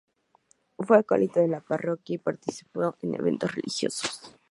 Fue acólito de la Parroquia y participó en eventos religiosos.